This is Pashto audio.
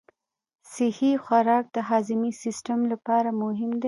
صحي خوراک د هاضمي سیستم لپاره مهم دی.